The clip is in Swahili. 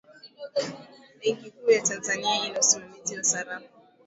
benki kuu ya tanzania ina usimamizi wa sarafu